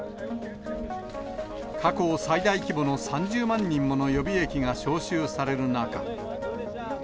過去最大規模の３０万人もの予備役が招集される中。